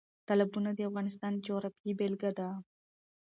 تالابونه د افغانستان د جغرافیې بېلګه ده.